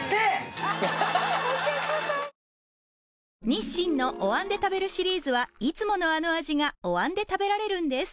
日清のお椀で食べるシリーズはいつものあの味がお椀で食べられるんです